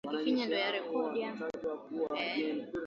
Banaume na banamuke basaidiane kwaku rima